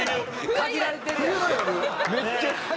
限られてるやん。